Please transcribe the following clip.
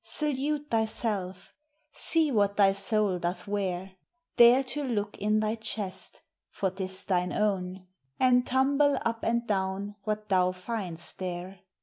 Salute thyself: see what thy soul doth wear. Dare to look in thy chest; for 't is thine own; And tumble up and down what thou find'st there.